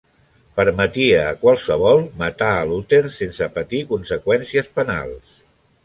Permetia a qualsevol matar a Luter sense patir conseqüències penals.